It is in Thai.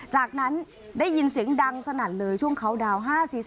จากนั้นได้ยินเสียงดังสนั่นเลยช่วงเขาดาวน์๕๔๓